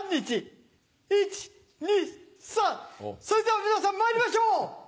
それでは皆さんまいりましょう！